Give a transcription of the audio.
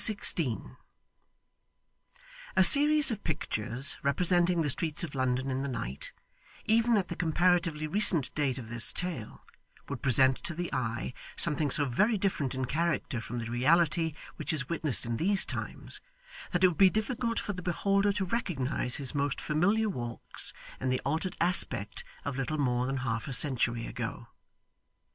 Chapter 16 A series of pictures representing the streets of London in the night, even at the comparatively recent date of this tale, would present to the eye something so very different in character from the reality which is witnessed in these times, that it would be difficult for the beholder to recognise his most familiar walks in the altered aspect of little more than half a century ago.